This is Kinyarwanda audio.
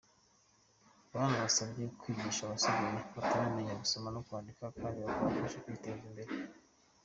Yanabasabye kwigisha abasigaye bataramenya gusoma no kwandika kandi bakabafasha kwiteza imbere.